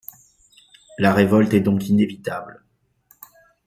La révolte est donc inévitable.